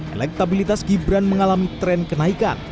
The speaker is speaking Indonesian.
elektabilitas gibran mengalami tren kenaikan